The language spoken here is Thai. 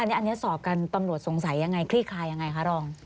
อันนี้สอบกันตำรวจสงสัยยังไงคลี่คลายยังไงคะรอง